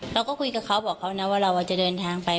เราก็คุยกับเขาบอกเขานะว่าเราจะเดินทางไป